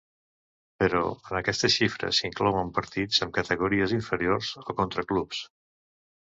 Però, en aquesta xifra s'hi inclouen partits amb categories inferiors o contra clubs.